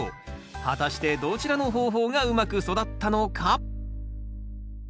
果たしてどちらの方法がうまく育ったのか？